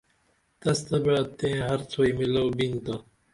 تس تہ بعد تئیں ہر څھوئی میلوبین تہ